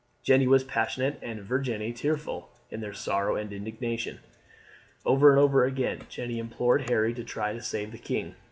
Jeanne was passionate and Virginie tearful in their sorrow and indignation. Over and over again Jeanne implored Harry to try to save the king.